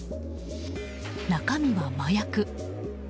中身は麻薬。